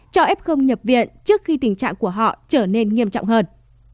cho ép không nhập viện trước khi tình trạng của họ trở nên nghiêm trọng hơn